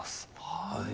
はい。